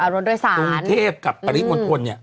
กรุงเทพฯกับปริศมณฑล